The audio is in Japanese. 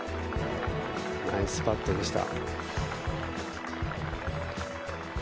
ナイスパットでした。